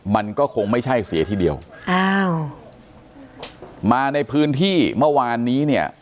มันก็คงไม่ใช่เสียทีเดียวอ้าวมาในพื้นที่เมื่อวานนี้เนี่ย